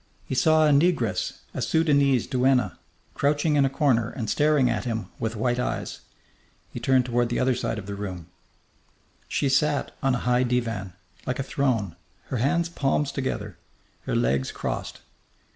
He saw a negress, a Sudanese duenna, crouching in a corner and staring at him with white eyes. He turned toward the other side of the room. She sat on a high divan, like a throne, her hands palms together, her legs crossed.